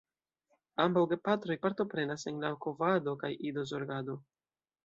Ambaŭ gepatroj partoprenas en la kovado kaj idozorgado.